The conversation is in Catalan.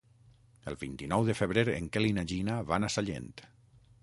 El vint-i-nou de febrer en Quel i na Gina van a Sallent.